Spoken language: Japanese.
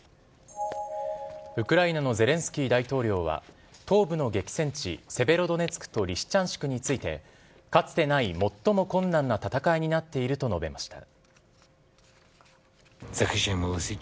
ウクライナのゼレンスキー大統領は、東部の激戦地、セベロドネツクとリシチャンシクについて、かつてない最も困難な戦いになっていると述べました。